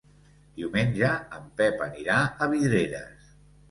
Diumenge en Pep anirà a Vidreres.